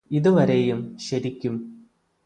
ഇതുവരെയും ശരിക്കും